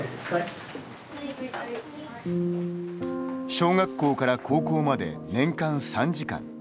小学校から高校まで、年間３時間。